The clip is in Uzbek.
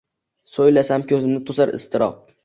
So’ylasam ko’zimni to’sar iztirob